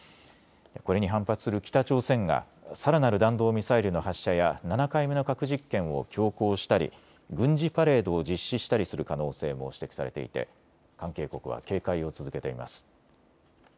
これに反発する北朝鮮がさらなる弾道ミサイルの発射や７回目の核実験を強行したり軍事パレードを実施したりする可能性も指摘されていて関係国は警戒を続けています。